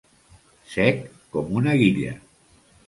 Sec com una guilla.